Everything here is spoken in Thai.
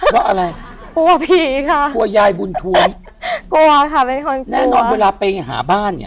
เพราะอะไรกลัวผีค่ะกลัวยายบุญทวงกลัวค่ะเป็นคนแน่นอนเวลาไปหาบ้านเนี้ย